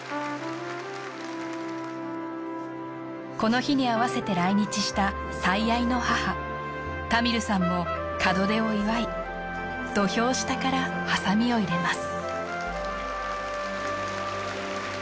この日に合わせて来日した最愛の母・タミルさんも門出を祝い土俵下からハサミを入れます